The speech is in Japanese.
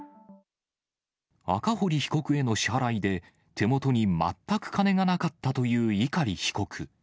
赤堀被告への支払いで、手元に全く金がなかったという碇被告。